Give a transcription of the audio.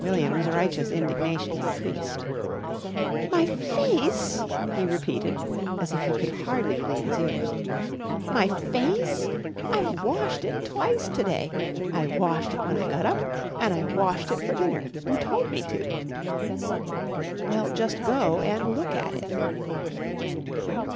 William's righteous indignation increased. "My face?" he repeated as if he could hardly believe his ears. "My face? I've washed it twice to day. I washed it when I got up an' I washed it for dinner. You told me to." "Well, just go and look at it."